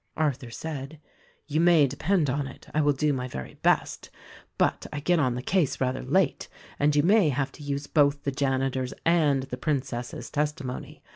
Arthur said, "You may depend on it, I will do my very best ; but I get on the case rather late— and you may have to use both the janitor's and the Princess' testimony.